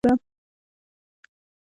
زمرد د افغان ماشومانو د زده کړې موضوع ده.